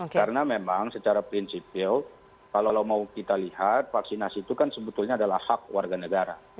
karena memang secara prinsipio kalau mau kita lihat vaksinasi itu kan sebetulnya adalah hak warga negara